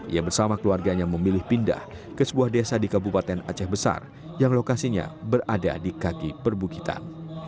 ia bersama keluarganya memilih pindah ke sebuah desa di kabupaten aceh besar yang lokasinya berada di kaki perbukitan